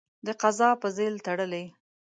د قضا په ځېل تړلی.